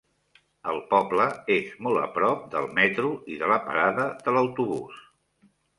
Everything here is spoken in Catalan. El poble és molt a prop del metro i de la parada de l'autobús.